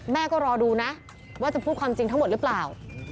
แม่ก็รอดูนะว่าจะพูดความจริงทั้งหมดหรือเปล่า